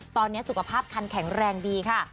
ตอนนี้สุขภาพคันแข็งแรงดีค่ะ